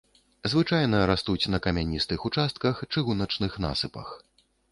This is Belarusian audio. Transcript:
Звычайна растуць на камяністых участках, чыгуначных насыпах.